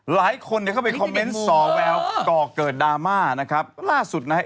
หลายคนเนี่ยเข้าไปคอมเมนต์สอแววก่อเกิดดราม่านะครับล่าสุดนะฮะ